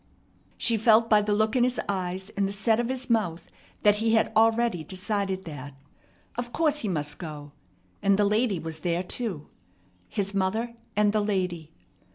She felt by the look in his eyes and the set of his mouth that he had already decided that. Of course he must go. And the lady was there too! His mother and the lady!